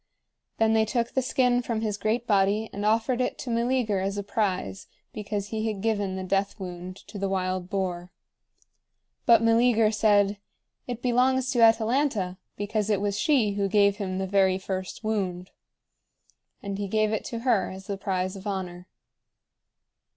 Then they took the skin from his great body and offered it to Meleager as a prize, because he had given the death wound to the wild boar. But Meleager said: "It belongs to Atalanta, because it was she who gave him the very first wound." And he gave it to her as the prize of honor.